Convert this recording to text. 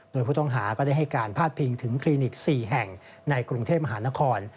โดยผู้ต้องหาก็ได้ให้การพาดพิงถึงคลินิก๔แห่งในกรุงเทพมหานคร